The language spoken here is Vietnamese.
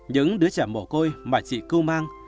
những đứa trẻ mổ côi mà chị cưu mang